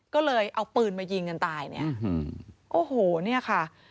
ก็เลยเอาปืนมายิงกันตายเนี่ยโอ้โหเนี่ยค่ะ